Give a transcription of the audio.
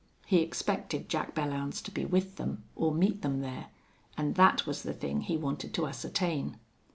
He expected Jack Belllounds to be with them or meet them there, and that was the thing he wanted to ascertain.